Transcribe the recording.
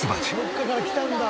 「どこかから来たんだ。